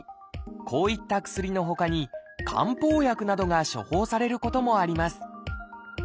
こういった薬のほかに漢方薬などが処方されることもあります